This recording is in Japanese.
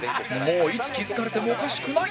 もういつ気付かれてもおかしくない！